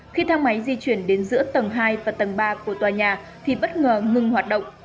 khi thang máy di chuyển đến giữa tầng hai và tầng ba của tòa nhà thì bất ngờ ngừng hoạt động